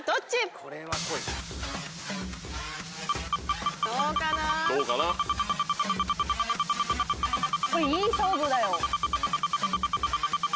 これいい勝負だよ。